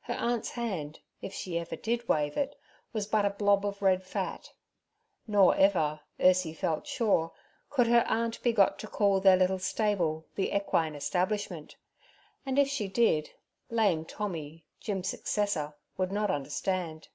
Her aunt's hand, if she ever did wave it, was but a blob of red fat. Nor ever, Ursiefelt sure, could her aunt be got to call their little stable the equine establishment; and if she did, lame Tommy, Jim's successor, would not understand.